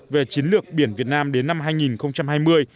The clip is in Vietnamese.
về chiến lược biển việt nam đến năm hai nghìn hai mươi